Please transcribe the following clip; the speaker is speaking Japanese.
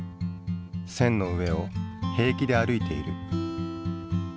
線の上を平気で歩いている。